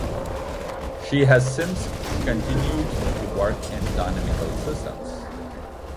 She has since continued to work in dynamical systems.